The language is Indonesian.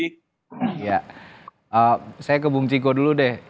saya ke bung ciko dulu deh